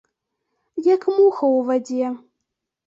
Як муха ў вадзе.